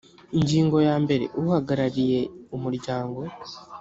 ingingo ya mbere uhagarariye umuryango